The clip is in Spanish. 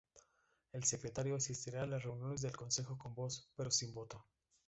El Secretario asistirá a las reuniones del Consejo con voz, pero sin voto.